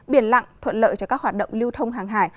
biển lặng thuận lợi cho các hoạt động lưu thông hàng hải